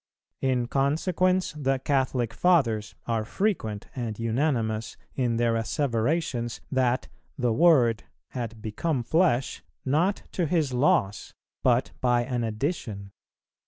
In consequence the Catholic Fathers are frequent and unanimous in their asseverations, that "the Word" had become flesh, not to His loss, but by an addition.